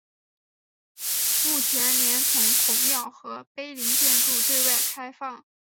目前连同孔庙和碑林建筑对外开放。